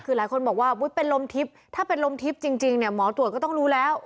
คือหลายคนบอกว่าอุ๊ยเป็นลมทิพย์ถ้าเป็นลมทิพย์จริงเนี่ยหมอตรวจก็ต้องรู้แล้ว